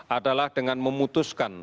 adalah dengan memutuskan